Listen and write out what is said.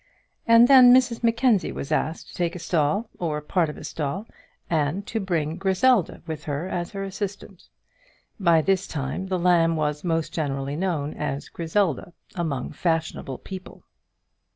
And then Mrs Mackenzie was asked to take a stall, or part of a stall, and to bring Griselda with her as her assistant. By this time the Lamb was most generally known as "Griselda" among fashionable people.